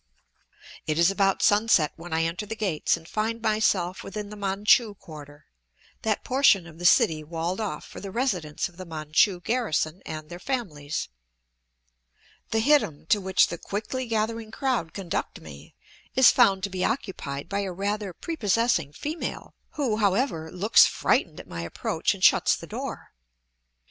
It is about sunset when I enter the gates and find myself within the Manchu quarter, that portion of the city walled off for the residence of the Manchu garrison and their families. The hittim to which the quickly gathering crowd conduct me is found to be occupied by a rather prepossessing female, who, however, looks frightened at my approach and shuts the door.